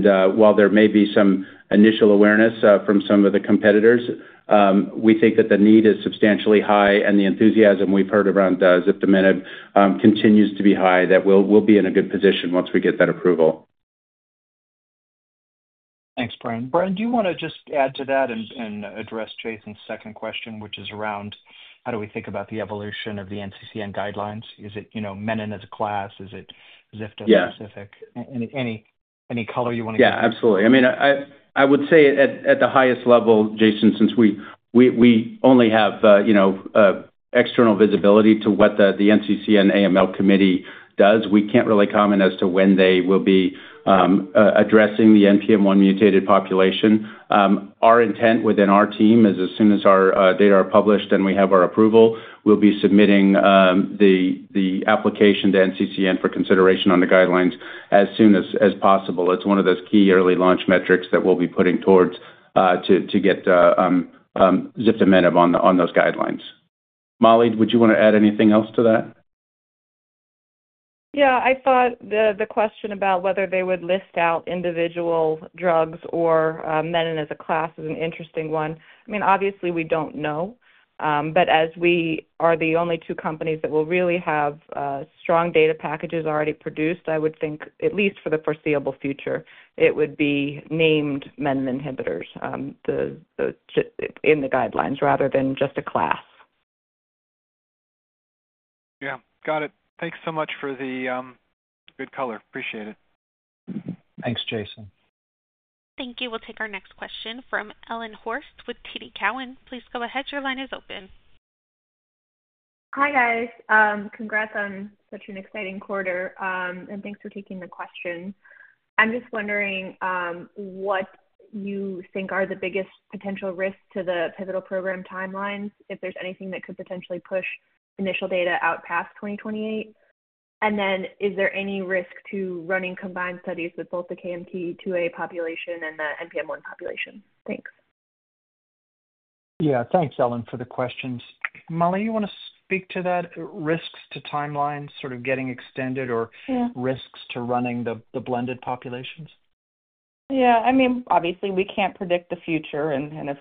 While there may be some initial awareness from some of the competitors, we think that the need is substantially high and the enthusiasm we've heard around ziftomenib continues to be high, that we'll be in a good position once we get that approval. Thanks, Brian. Brian, do you want to just add to that and address Jason's second question, which is around how do we think about the evolution of the NCCN guidelines? Is it, you know, menin as a class? Is it ziftomenib specific, any color you want to give? Yeah, absolutely. I mean, I would say at the highest level, Jason, since we only have external visibility to what the NCCN AML committee does, we can't really comment as to when they will be addressing the NPM1-mutated population. Our intent within our team is as soon as our data are published and we have our approval, we'll be submitting the application to NCCN for consideration on the guidelines as soon as possible. It's one of those key early launch metrics that we'll be putting towards to get ziftomenib on those guidelines. Mollie, would you want to add anything else to that? Yeah, I thought the question about whether they would list out individual drugs or menin as a class is an interesting one. I mean, obviously we don't know, but as we are the only two companies that will really have strong data packages already produced, I would think, at least for the foreseeable future, it would be named menin inhibitors in the guidelines rather than just a class. Got it. Thanks so much for the good color. Appreciate it. Thanks, Jason. Thank you. We'll take our next question from Ellen Horste with TD Cowen, please. Go ahead. Your line is open. Hi, guys. Congrats on such an exciting quarter and thanks for taking the question. I'm just wondering what you think are the biggest potential risks to the pivotal program timelines, if there's anything that could potentially push initial data out past 2028, and then is there any risk to running combined studies with both the KMT2A population and the NPM1 population? Thanks. Yeah, thanks, Ellen, for the questions. Mollie, you want to speak to that? Risks to timelines sort of getting extended or risks to running the blended populations? Yeah, I mean, obviously we can't predict the future, and if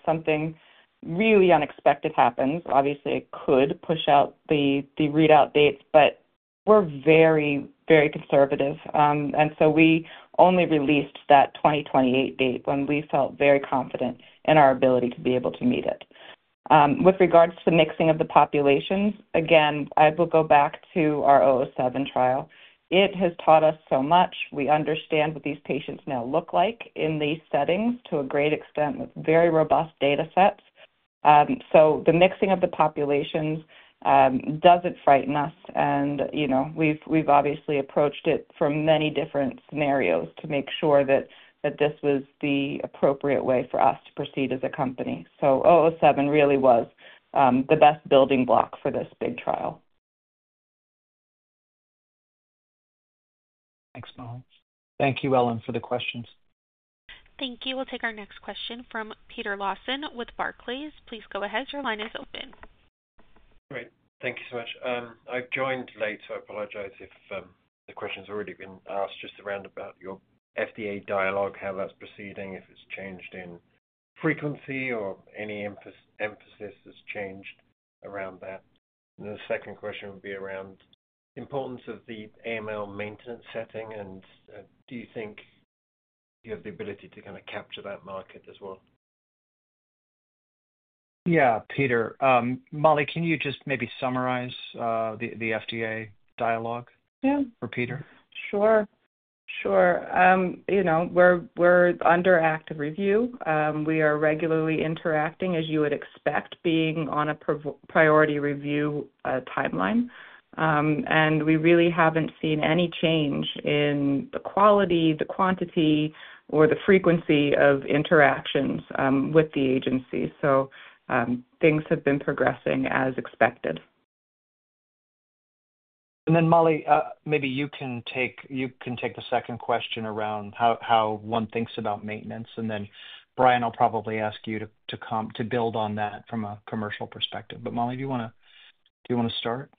something really unexpected happens, obviously it could push out the readout dates. We're very, very conservative, and we only released that 2028 date when we felt very confident in our ability to meet it. With regards to mixing of the populations, again, I will go back to our KOMET-007 trial. It has taught us so much. We understand what these patients now look like in these settings to a great extent with very robust data sets. The mixing of the populations doesn't frighten us, and we've obviously approached it from many different scenarios to make sure that this was the appropriate way for us to proceed as a company. So 007 really was the best building block for this big trial. Thanks, Mollie. Thank you, Ellen, for the questions. Thank you. We'll take our next question from Peter Lawson with Barclays. Please go ahead. Your line is open. Great. Thank you so much. I joined late, so I apologize if the question's already been asked just around about your FDA dialogue, how that's proceeding. If it's changed in frequency or any emphasis has changed around that, the second question would be around importance of the AML maintenance setting. Do you think you have the ability to kind of capture that market as well? Peter, Mollie, can you just maybe summarize the FDA dialogue or Peter? Sure. You know, we're under active review. We are regularly interacting as you would expect, being on a priority review timeline. We really haven't seen any change in the quality, the quantity, or the frequency of interactions with the agency. Things have been progressing as expected. Mollie, maybe you can take the second question around how one thinks about maintenance, and then Brian, I'll probably ask you to come to build on that from a commercial perspective. Mollie, do you want to start?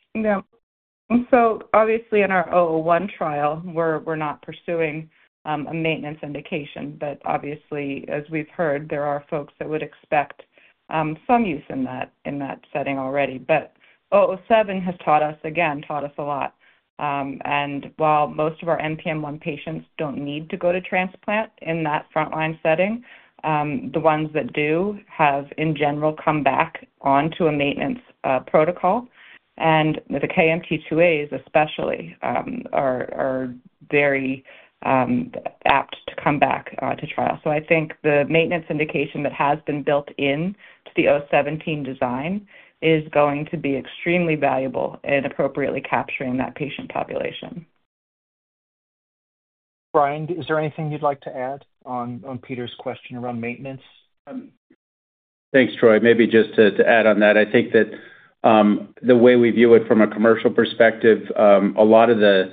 Yeah. Obviously, in our KOMET-001 trial, we're not pursuing a maintenance indication, but as we've heard, there are folks that would expect some use in that setting already. 007 has taught us, again, taught us a lot. While most of our NPM1-mutated patients don't need to go to transplant in that frontline setting, the ones that do have in general come back onto a maintenance protocol. The KMT2A-rearranged especially are very apt to come back to trial. I think the maintenance indication that has been built into the 017 design is going to be extremely valuable in appropriately capturing that patient population. Brian, is there anything you'd like to add on Peter's question around maintenance? Thanks, Troy. Maybe just to add on that, I think that the way we view it from a commercial perspective, a lot of the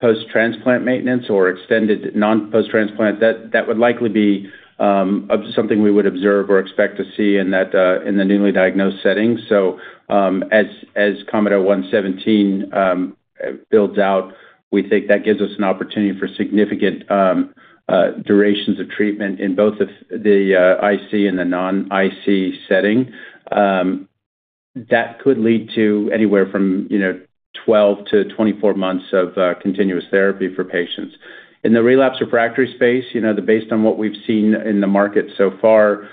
post transplant maintenance or extended non post transplant, that would likely be something we would observe or expect to see in the newly diagnosed setting. As KOMET-017 builds out, we think that gives us an opportunity for significant durations of treatment in both the IC and the non-IC setting that could lead to anywhere from 12 to 24 months of continuous therapy for patients in the relapsed/refractory space. Based on what we've seen in the market so far,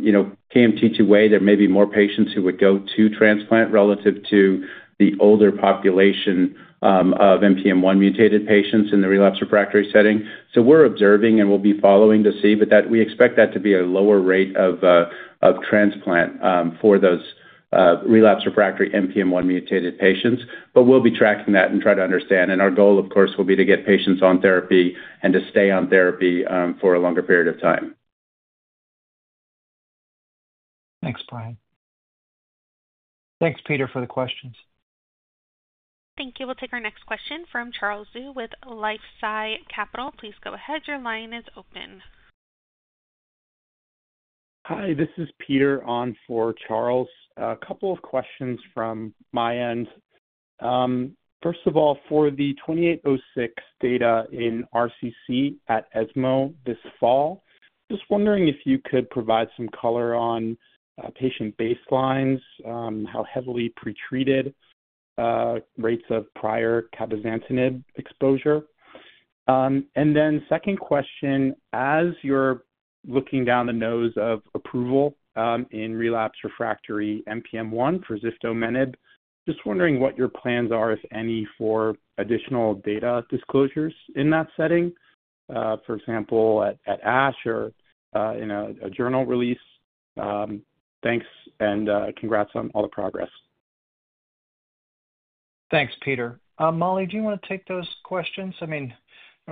you know, KMT2A-rearranged, there may be more patients who would go to transplant relative to the older population of NPM1-mutated patients in the relapsed/refractory setting. We're observing and we'll be following to see, but we expect that to be a lower rate of transplant for those relapsed/refractory NPM1-mutated patients. We'll be tracking that and try to understand, and our goal of course will be to get patients on therapy and to stay on therapy for a longer period of time. Thanks, Brian. Thanks, Peter, for the questions. Thank you. We'll take our next question from Charles Zhu with LifeSci Capital. Please go ahead. Your line is open. Hi, this is Peter on for Charles, a couple of questions from my end. First of all, for the KO-2806 data in RCC at ESMO this fall, just wondering if you could provide some color on patient baselines, how heavily pretreated, rates of prior cabozantinib exposure. Second question, as you're looking down the nose of approval in relapsed/refractory NPM1-mutated for ziftomenib, just wondering what your plans are, if any, for additional data disclosures in that setting, for example at ASH or in a journal release. Thanks and congrats on all the progress. Thanks, Peter. Mollie, do you want to take those questions? I mean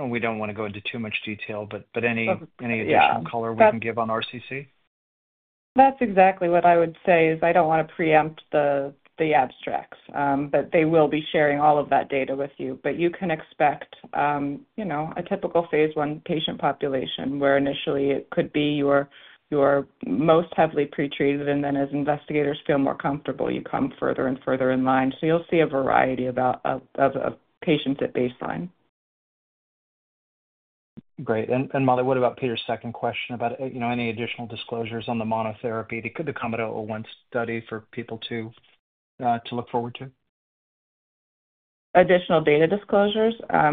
we don't want to go into too much detail, but any additional color we can give on RCC, that's. Exactly what I would say is I don't want to preempt the abstracts, but they will be sharing all of that data with you. You can expect, you know, a typical phase I patient population where initially it could be your most heavily pretreated, and then as investigators feel more comfortable, you come further and further in line. You'll see a variety of patients at baseline. Great. Mollie, what about Peter's second question about any additional disclosures on the monotherapy? Could the KOMET-001 study for people look forward to. Additional data disclosures? That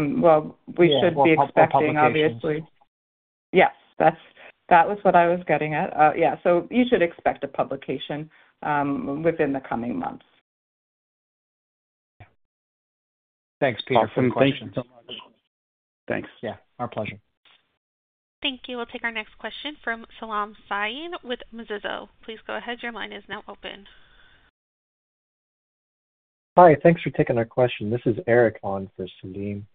was what I was getting at. Yeah, you should expect a publication within the coming months. Thanks, Peter. Thanks so much. Thanks. Yeah, our pleasure. Thank you. We'll take our next question from Salim Syed with Mizuho. Please go ahead. Your line is now open. Hi, thanks for taking our question. This is Eric on for Salim.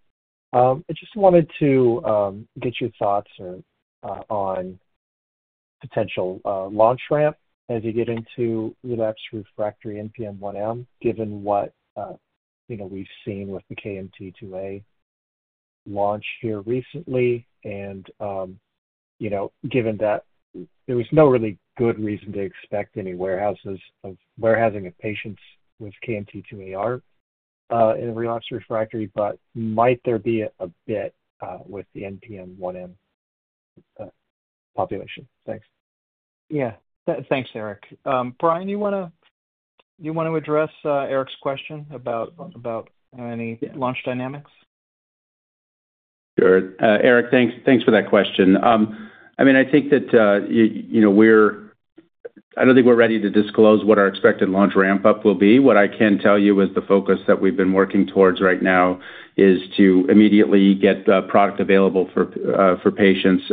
I just wanted to get your thoughts on potential launch ramp as you get into relapse/refractory NPM1-mutated given what that you know, we've seen with the KMT2A launch here recently, and you know, given that there was no really good reason to expect any warehousing of patients with KMT2A-rearranged in a relapsed/refractory. Might there be a bit with the NPM1-mutated population? Thanks. Yeah, thanks Eric. Brian, you want to address Eric's question about any launch dynamics? Eric, thanks for that question. I think that we're, I don't think we're ready to disclose what our expected launch ramp up will be. What I can tell you is the focus that we've been working towards right now is to immediately get product available for patients,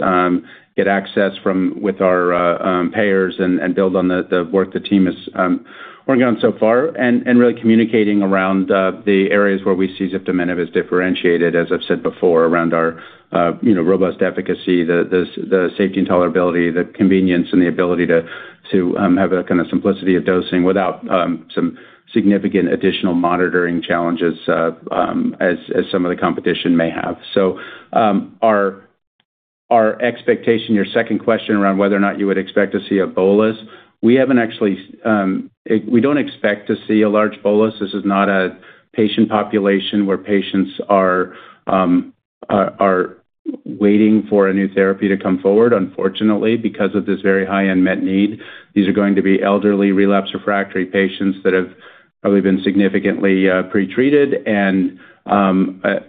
get access from with our payers, and build on the work the team has been working on so far, really communicating around the areas where we see ziftomenib as differentiated as I've said before, around our robust efficacy, the safety and tolerability, the convenience, and the ability to have a kind of simplicity of dosing without some significant additional monitoring challenges as some of the competition may have. Our expectation, your second question around whether or not you would expect to see a bolus. We haven't actually, we don't expect to see a large bolus. This is not a patient population where patients are waiting for a new therapy to come forward. Unfortunately, because of this very high unmet need, these are going to be elderly relapsed/refractory patients that have probably been significantly pretreated and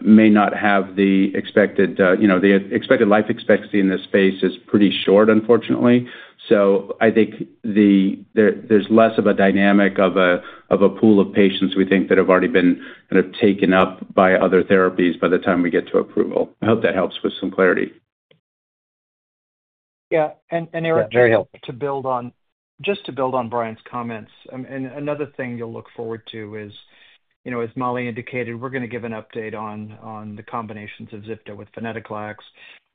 may not have the expected, you know, the expected life expectancy in this space is pretty short unfortunately. I think there's less of a dynamic of a pool of patients we think that have already been kind of taken up by other therapies by the time we get to approval. I hope that helps with some clarity. Yeah. Eric, just to build on Brian's comments, another thing you'll look forward to is, as Mollie indicated, we're going to give an update on the combinations of ziftomenib with venetoclax.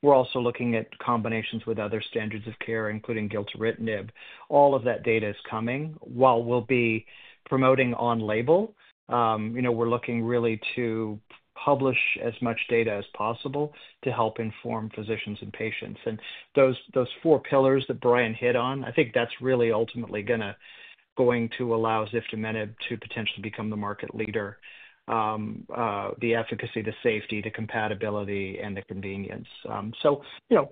We're also looking at combinations with other standards of care, including gilteritinib. All of that data is coming, will be promoting on label. We're looking really to publish as much data as possible to help inform physicians and patients. Those four pillars that Brian hit on, I think that's really ultimately going to allow ziftomenib to potentially become the market leader: the efficacy, the safety, the compatibility, and the convenience.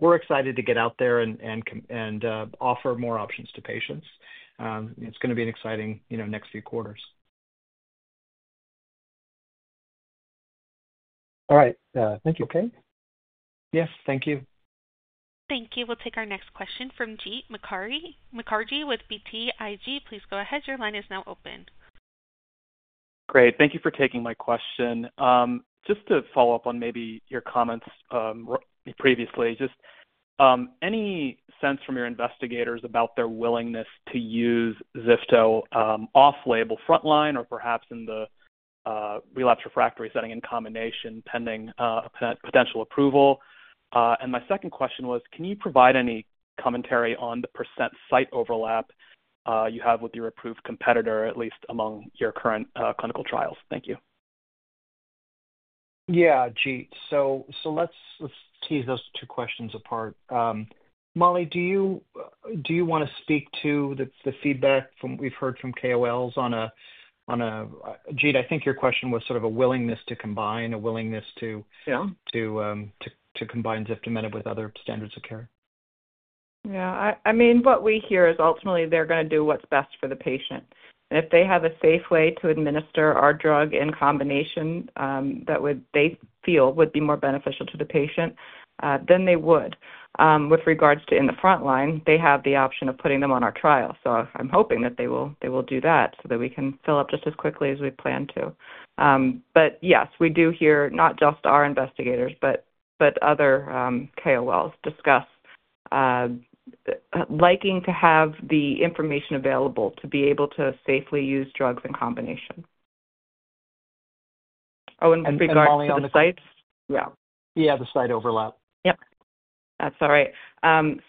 We're excited to get out there and offer more options to patients. It's going to be an exciting next few quarters. All right, thank you. Yes, thank you. Thank you. We'll take our next question from Jeet Mukherjee with BTIG. Please go ahead. Your line is now open. Great. Thank you for taking my question. Just to follow up on maybe your comments previously, just any sense from your investigators about their willingness to use ziftomenib off label, frontline or perhaps in the relapsed/refractory setting in combination, pending potential approval. My second question was, can you provide any commentary on the percent site overlap you have with your approved competitor, at least among your current clinical trials? Thank you. Yeah Jeet. Let's tease those two questions apart. Mollie, do you want to speak to the feedback from. We've heard from KOLs on a, on a. I think your question was sort of a willingness to combine. A willingness to combine ziftomenib with other standards of care. Yeah. I mean, what we hear is ultimately they're going to do what's best for the patient. If they have a safe way to administer our drug in combination that they feel would be more beneficial to the patient, then they would. With regards to in the frontline, they have the option of putting them on our trial. I'm hoping that they will do that so that we can fill up just as quickly as we plan to. Yes, we do hear not just our investigators, but other KOLs discuss liking to have the information available to be able to safely use drugs in combination. Oh, and regarding the sites. Yeah, the site overlap. That's all right.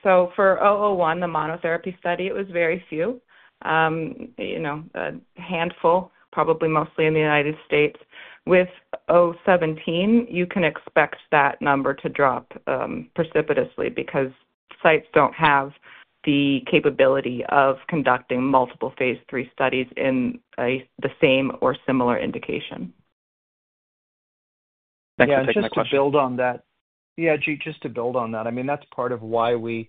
For 001, the monotherapy study, it was very few, you know, a handful, probably mostly in the U.S. With 017, you can expect that number to drop precipitously because sites don't have the capability of conducting multiple phase III studies in the same or similar indication. Yeah, just to build on that. I mean that's part of why we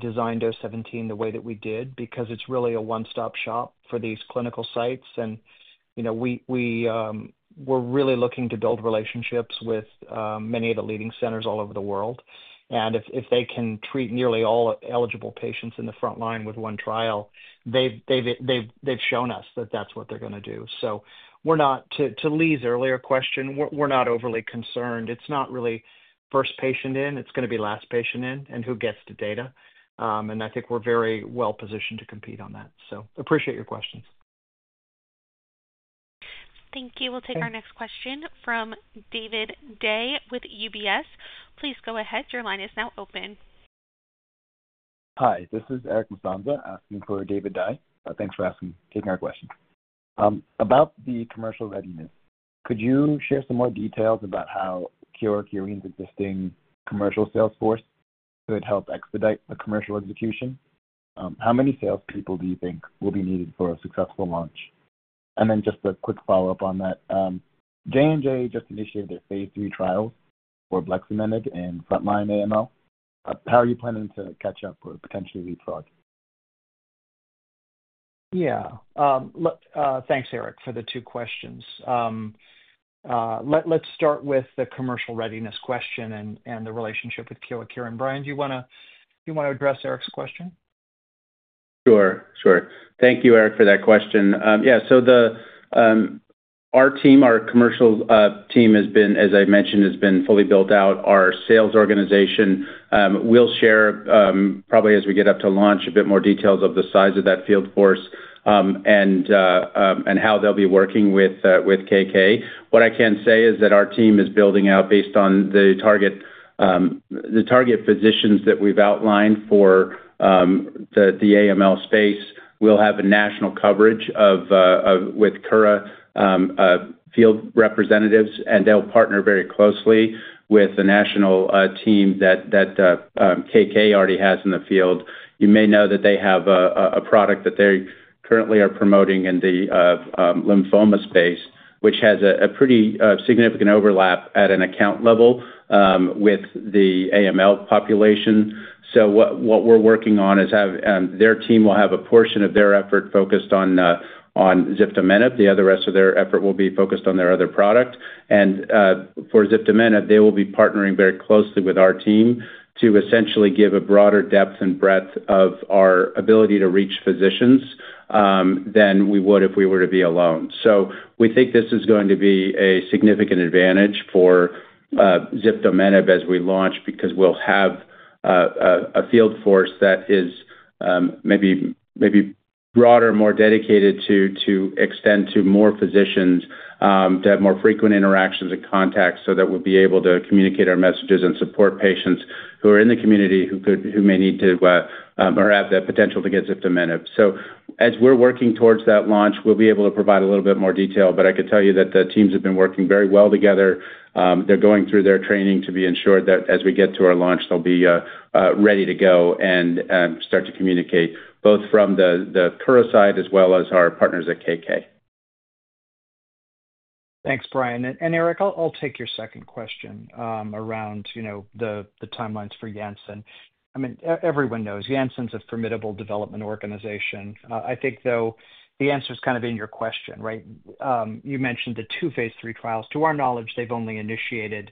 designed 017 the way that we did, because it's really a one stop shop for these clinical sites. We're really looking to build relationships with many of the leading centers all over the world, and if they can treat nearly all eligible patients in the frontline with one trial, they've shown us that that's what they're going to do. To Li's earlier question, we're not overly concerned. It's not really first patient in, it's going to be last patient in and who gets the data. I think we're very well positioned to compete on that. Appreciate your questions. Thank you. We'll take our next question from David Dai with UBS. Please go ahead. Your line is now open. Hi, this is Eric Musonza asking for David Dai. Thanks for asking. Taking our questions about the commercial ready. Could you share some more details about how Kyowa Kirin's existing commercial sales force could help expedite the commercial execution? How many salespeople do you think will be needed for a successful launch? Just a quick follow up on that. J&J just initiated a phase III trial for bleximenib in frontline AML. How are you planning to catch up or potentially leapfrog? Yeah, thanks Eric for the two questions, let's start with the commercial readiness question and the relationship with Kyowa Kirin and Brian. Do you want to address Eric's question? Sure. Thank you, Eric, for that question. Yeah. Our team, our commercial team, as I mentioned, has been fully built out. Our sales organization will share, probably as we get up to launch, a bit more details of the size of that field force and how they'll be working with KK. What I can say is that our team is building out based on the target physicians that we've outlined for the AML space. We'll have national coverage with Kura field representatives, and they'll partner very closely with the national team that KK already has in the field. You may know that they have a product that they're currently promoting in the lymphoma space, which has a pretty significant overlap at an account level with the AML population. What we're working on is their team will have a portion of their effort focused on ziftomenib. The rest of their effort will be focused on their other product. For ziftomenib, they will be partnering very closely with our team to essentially give a broader depth and breadth of our ability to reach physicians than we would if we were to be alone. We think this is going to be a significant advantage for ziftomenib as we launch because we'll have a field force that is maybe broader, more dedicated to extend to more physicians, to have more frequent interactions and contacts, so that we'll be able to communicate our messages and support patients who are in the community who may need to or have the potential to get ziftomenib. As we're working towards that launch, we'll be able to provide a little bit more detail. I can tell you that the teams have been working very well together. They're going through their training to be ensured that as we get to our launch, they'll be ready to go and start to communicate, both from the Kura side as well as our partners at KK. Thanks, Brian and Eric. I'll take your second question around the timelines for Janssen. Everyone knows Janssen's a formidable development organization. I think, though, the answer is kind of in your question. Right. You mentioned the two phase III trials. To our knowledge, they've only initiated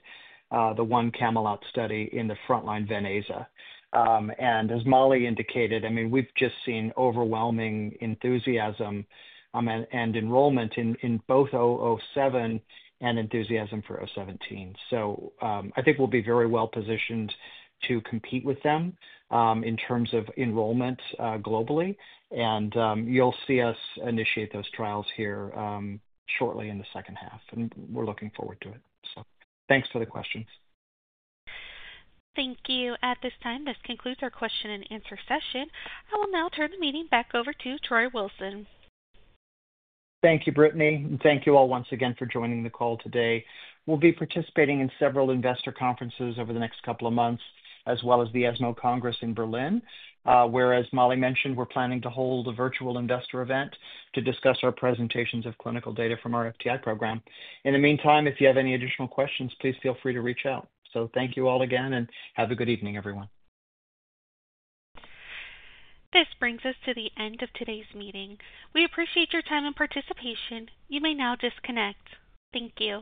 the one CAMELOT study in the frontline venetoclax setting. As Mollie indicated, we've just seen overwhelming enthusiasm and enrollment in both 007 and enthusiasm for 017. I think we'll be very well positioned to compete with them in terms of enrollment globally. You'll see us initiate those trials here shortly in the second half. We're looking forward to it. Thanks for the questions. Thank you. At this time, this concludes our question and answer session. I will now turn the meeting back over to Troy Wilson. Thank you, Brittany. Thank you all once again for joining the call today. We'll be participating in several investor conferences over the next couple of weeks, couple of months, as well as the ESMO Congress in Berlin. As Mollie mentioned, we're planning to hold a virtual investor event to discuss our presentations of clinical data from our FTI program. In the meantime, if you have any additional questions, please feel free to reach out. Thank you all again and have a good evening, everyone. This brings us to the end of today's meeting. We appreciate your time and participation. You may now disconnect. Thank you.